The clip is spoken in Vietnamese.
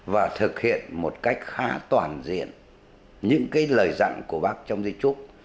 và thực hiện một cách khá toàn diện những lời dặn của bác trong di trúc